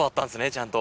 ちゃんと。